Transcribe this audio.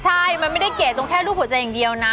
ใช่มันไม่ได้เก๋ตรงแค่รูปหัวใจอย่างเดียวนะ